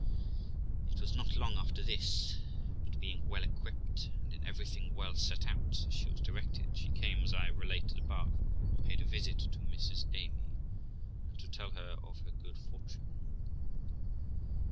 It was not long after this, but being well equipped, and in everything well set out, as she was directed, she came, as I have related above, and paid a visit to Mrs Amy, and to tell her of her good fortune.